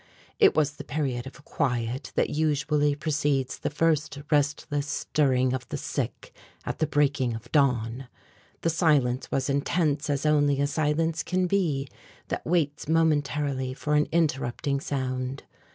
It was the period of quiet that usually precedes the first restless stirring of the sick at the breaking of dawn. The silence was intense as only a silence can be that waits momentarily for an interrupting sound.